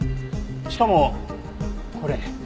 しかもこれ。